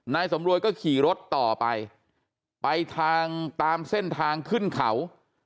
นายสำรวยก็ขี่รถต่อไปไปทางตามเส้นทางขึ้นเขา